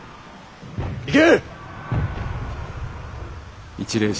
行け！